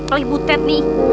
kalian butet nih